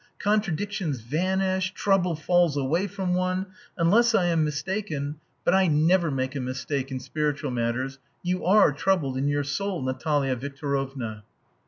Contradictions vanish, trouble falls away from one.... Unless I am mistaken but I never make a mistake in spiritual matters you are troubled in your soul, Natalia Victorovna."